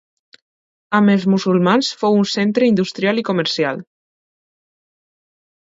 Amb els musulmans fou un centre industrial i comercial.